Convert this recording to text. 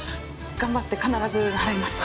頑張って必ず払います。